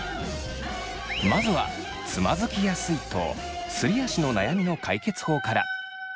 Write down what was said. まずは「つまずきやすい」と「すり足」の悩みの解決法から。